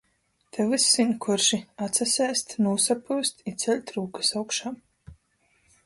Te vyss vīnkuorši. Atsasēst, nūsapyust i ceļt rūkys augšā...